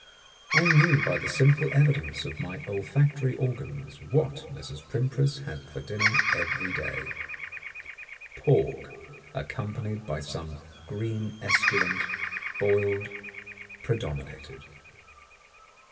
I knew by the simple evidence of my olfactory organs what Mrs. Primpris had for dinner every day. Pork, accompanied by some green esculent, boiled, predominated.